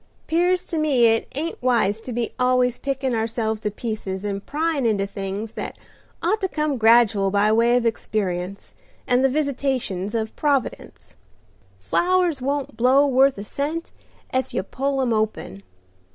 'Pears to me it ain't wise to be always pickin' ourselves to pieces and pryin' into things that ought to come gradual by way of experience and the visitations of Providence. Flowers won't blow worth a cent ef you pull 'em open.